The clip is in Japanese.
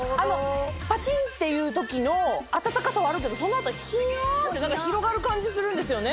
パチンっていう時の温かさはあるけどその後ヒヤって広がる感じするんですよね。